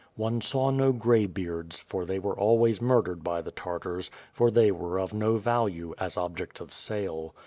One saw no gray beards, for they were always murdered by the Tartars, for they were of no value, as objects of sale.